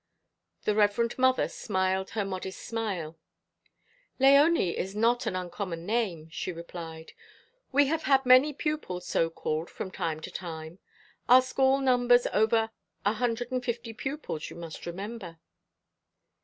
The Reverend Mother smiled her modest smile. "Léonie is not an uncommon name," she replied. "We have had many pupils so called from time to time. Our school numbers over a hundred and fifty pupils, you must remember."